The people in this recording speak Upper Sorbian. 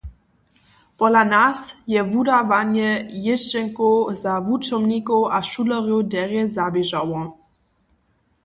Pola nas je wudawanje jězdźenkow za wučomnikow a šulerjow derje zaběžało.